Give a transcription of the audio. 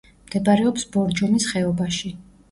მდებარეობს ბორჯომის ხეობაში.